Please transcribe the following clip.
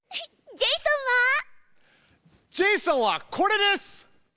ジェイソンはこれです！